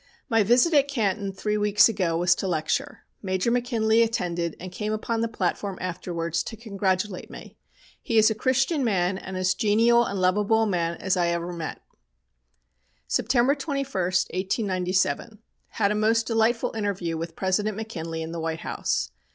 "My visit at Canton three weeks ago was to lecture. Major McKinley attended and came upon the platform afterwards to congratulate me. He is a Christian man and as genial and lovable a man as I ever met." "September 21, 1897. Had a most delightful interview with President McKinley in the White House.